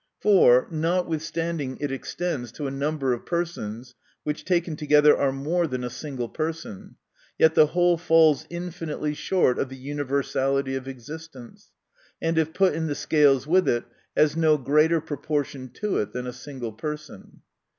For, notwithstanding it extends to a number of persons, which taken together are more than a single person, yet the whole falls infinitely short of the universality of existence ; and if put in the scales with it, has no greater proportion to it than a single person.